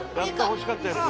欲しかったやつ。